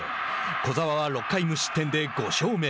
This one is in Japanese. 小澤は６回無失点で５勝目。